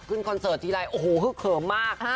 กินคอนเสิร์ตที่ไลน์โอ้โหขึ้นเขิมมาก